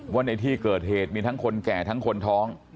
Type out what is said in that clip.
ว่าในที่เกิดเหตุมีทั้งคนแก่ทั้งคนท้อง